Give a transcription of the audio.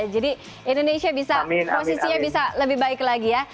jadi indonesia bisa posisinya bisa lebih baik lagi ya